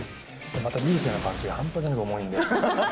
また流星のパンチが、半端なく重いんで。